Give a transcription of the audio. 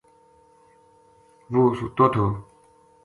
وہ ستو تھو